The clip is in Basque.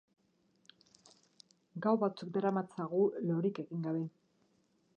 Gau batzuk daramatzagu lorik egin gabe.